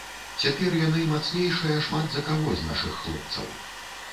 Цяпер яны мацнейшыя шмат за каго з нашых хлопцаў.